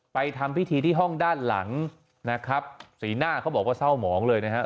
ทำพิธีที่ห้องด้านหลังนะครับสีหน้าเขาบอกว่าเศร้าหมองเลยนะครับ